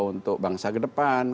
untuk bangsa ke depan